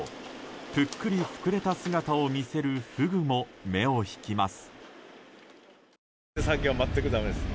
ぷっくり膨れた姿を見せるフグも目を引きます。